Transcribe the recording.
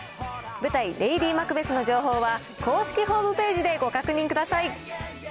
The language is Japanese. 舞台、レイディマクベスの情報は、公式ホームページでご確認ください。